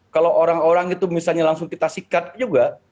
kalau orang orang itu misalnya langsung kita sikat juga